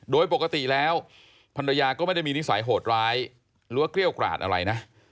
โดยปกติแล้วภรรยาก็ไม่ได้มีนิสัยโหดร้ายหรือว่าเกรี้ยวกราดอะไรนะ